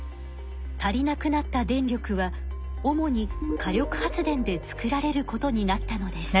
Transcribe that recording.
足りなくなった電力は主に火力発電で作られることになったのです。